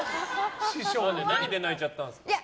何で泣いちゃったんですか？